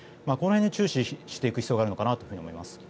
この辺に注視していく必要があるのかなと思います。